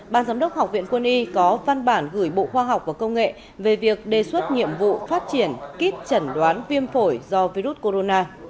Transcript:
ban giám đốc học viện quân y có văn bản gửi bộ khoa học và công nghệ về việc đề xuất nhiệm vụ phát triển kít chẩn đoán viêm phổi do virus corona